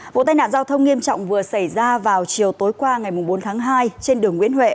vụ tai nạn giao thông nghiêm trọng vừa xảy ra vào chiều tối qua ngày bốn tháng hai trên đường nguyễn huệ